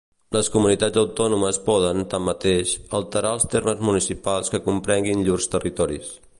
Les comunitats autònomes poden, tanmateix, alterar els termes municipals que comprenguin llurs territoris.